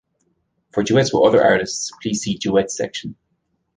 For duets with other artists, please see Duets section.